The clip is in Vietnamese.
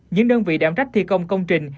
những đơn vị đảm rách thi công công trình